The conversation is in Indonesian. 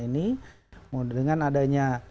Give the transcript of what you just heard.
ini dengan adanya